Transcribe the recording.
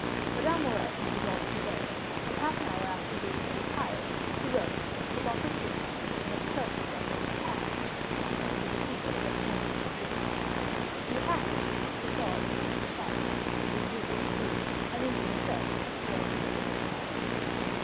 Madame Morrel sent her daughter to bed, and half an hour after Julie had retired, she rose, took off her shoes, and went stealthily along the passage, to see through the keyhole what her husband was doing. In the passage she saw a retreating shadow; it was Julie, who, uneasy herself, had anticipated her mother.